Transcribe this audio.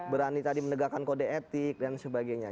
berani tadi menegakkan kode etik dan sebagainya